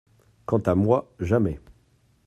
Quant à moi, jamais !